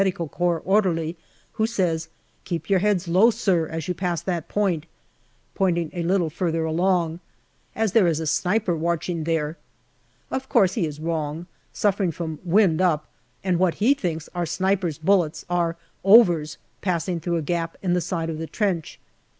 C. orderly, who says, " Keep your heads low, sir, as you pass that point," pointing a little farther along, " as there is a sniper watching there." Of course he is wrong, suffering from " wind up," and what he thinks are snipers' bullets are " overs " passing through a gap in the side of the trench.